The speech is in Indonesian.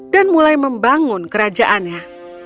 dan mulai membangun kerajaannya